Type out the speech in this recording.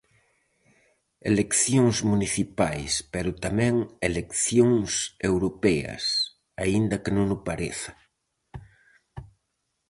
Eleccións municipais, pero tamén eleccións europeas, aínda que non o pareza.